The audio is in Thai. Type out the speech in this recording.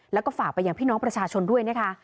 แล้วก็ฝากไปยังพี่น้องประชาชนด้วยนะคะ